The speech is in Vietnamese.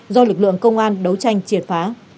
do lực lượng công an đấu tranh triệt phá